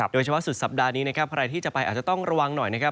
สุดสัปดาห์นี้นะครับใครที่จะไปอาจจะต้องระวังหน่อยนะครับ